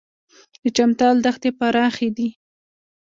د چمتال دښتې پراخې دي